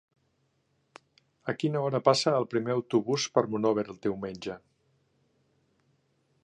A quina hora passa el primer autobús per Monòver diumenge?